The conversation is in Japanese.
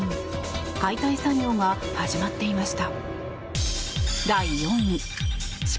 解体作業が始まっていました。